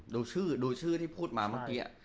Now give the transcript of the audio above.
ดูชื่อที่พูดมาเมื่อกี้